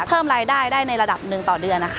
เพิ่มรายได้ได้ในระดับหนึ่งต่อเดือนนะคะ